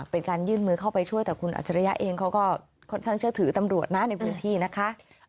เป็นการยื่นมือเข้าไปช่วยแต่คุณอัจฉริยะเองเขาก็ค่อนข้างเชื่อถือตำรวจนะในพื้นที่นะคะ